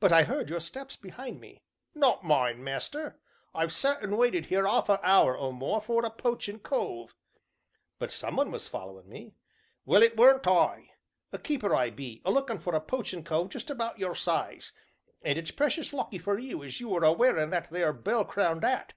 "But I heard your steps behind me." "Not mine, master. I've sat and waited 'ere 'arf a hour, or more, for a poachin' cove " "But some one was following me." "Well, it weren't I. A keeper I be, a lookin' for a poachin' cove just about your size, and it's precious lucky for you as you are a wearin' that there bell crowned 'at!"